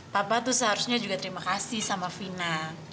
papa tuh seharusnya juga terima kasih sama fina